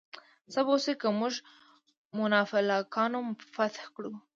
څه به وشي که موږ مونافالکانو فتح کړو؟